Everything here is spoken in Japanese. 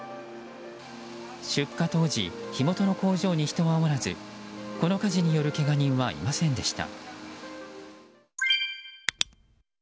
出火当時火元の工場に人はおらずこの火事によるけが人はいませんでした。